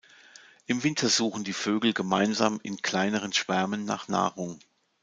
Im Winter suchen die Vögel gemeinsam in kleineren Schwärmen nach Nahrung.